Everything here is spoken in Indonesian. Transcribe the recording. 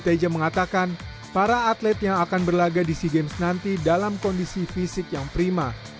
teja mengatakan para atlet yang akan berlaga di sea games nanti dalam kondisi fisik yang prima